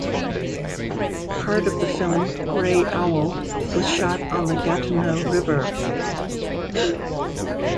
Part of the film "Grey Owl" was shot on the Gatineau River.